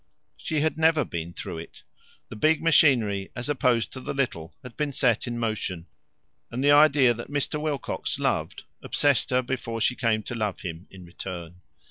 She had never been through it; the big machinery, as opposed to the little, had been set in motion, and the idea that Mr. Wilcox loved, obsessed her before she came to love him in return.